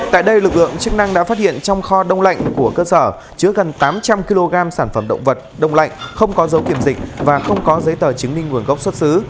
tại đây lực lượng chức năng đã phát hiện trong kho đông lạnh của cơ sở chứa gần tám trăm linh kg sản phẩm động vật đông lạnh không có dấu kiểm dịch và không có giấy tờ chứng minh nguồn gốc xuất xứ